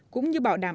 cũng như bảo đảm